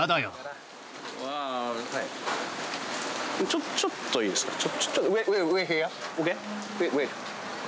ちょっちょっといいですか？